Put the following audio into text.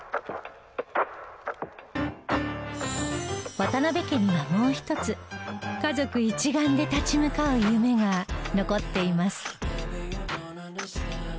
渡邊家にはもう一つ家族一丸で立ち向かう夢が残っています。